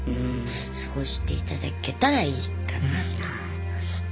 過ごしていただけたらいいかなと思いますね。